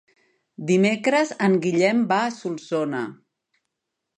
Dimecres en Guillem va a Solsona.